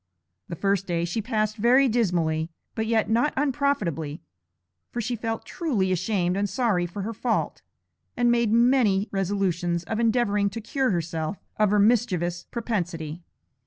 The first day she passed very dismally, but yet not unprofitably, for she felt truly ashamed and sorry for her fault, and made many good resolutions of endeavouring to cure herself of her mischievous propensity.